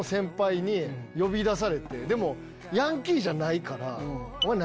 でもヤンキーじゃないから。